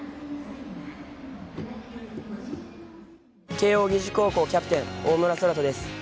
慶応義塾高校キャプテン、大村昊澄です。